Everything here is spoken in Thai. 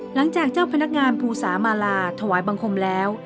หลังจากเจ้าพนักงานภูสามาลาถวายบังคมแล้ว